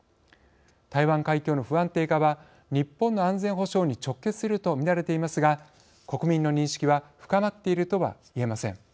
台湾海峡の不安定化は日本の安全保障に直結するとみられていますが国民の認識は深まっているとはいえません。